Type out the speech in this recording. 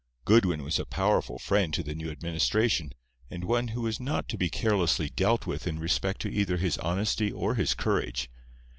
Goodwin was a powerful friend to the new administration, and one who was not to be carelessly dealt with in respect to either his honesty or his courage.